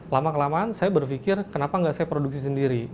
lama kelamaan saya berpikir kenapa nggak saya produksi sendiri